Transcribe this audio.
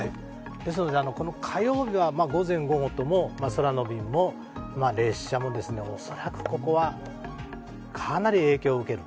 ですので、火曜日は午前午後とも空の便も列車も恐らくここはかなり影響を受ける。